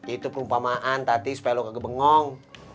itu perumpamaan tadi supaya lu kagak bengong